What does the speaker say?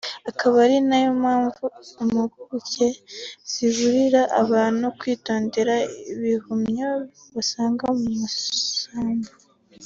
akaba ari na yo mpamvu impuguke ziburira abantu kwitondera ibihumyo basanga mu bisambu